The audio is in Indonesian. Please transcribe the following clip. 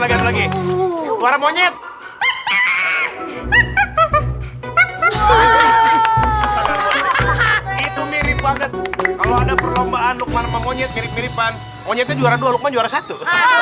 lagi lagi suara monyet itu mirip banget kalau ada perlombaan lukman monyet monyet juara juara satu